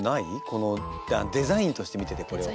このデザインとして見ててこれを。